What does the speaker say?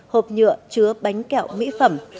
hộp nhựa chứa bánh kẹo mỹ phẩm